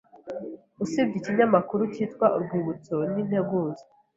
Usibye ikinyamakuru cyitwa ‘Urwibutso n’Integuza’,